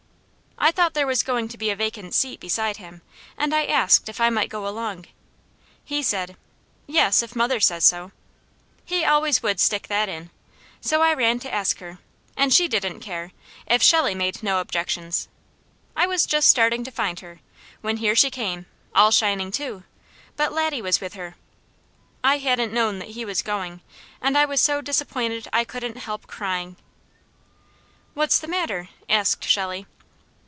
I thought there was going to be a vacant seat beside him, and I asked if I might go along. He said: "Yes, if mother says so." He always would stick that in. So I ran to ask her, and she didn't care, if Shelley made no objections. I was just starting to find her, when here she came, all shining too, but Laddie was with her. I hadn't known that he was going, and I was so disappointed I couldn't help crying. "What's the matter?" asked Shelley.